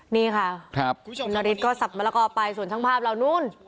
นี่ค่ะนดิสก็สับมะละกอไปส่วนช่างภาพเรานู้น